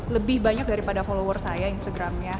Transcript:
lebih banyak daripada follower saya instagramnya